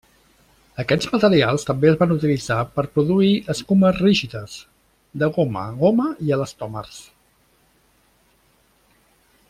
Aquests materials també es van utilitzar per produir escumes rígides, de goma, goma i elastòmers.